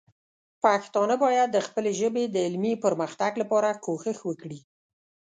پښتانه باید د خپلې ژبې د علمي پرمختګ لپاره کوښښ وکړي.